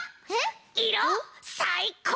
いろさいこう！